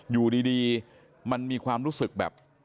อยู่ดีมันมีความรู้สึกแบบ